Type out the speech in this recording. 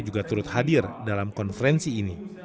juga turut hadir dalam konferensi ini